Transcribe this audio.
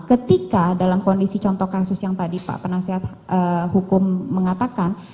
ketika dalam kondisi contoh kasus yang tadi pak penasihat hukum mengatakan